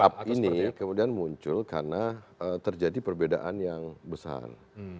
up ini kemudian muncul karena terjadi perbedaan yang besar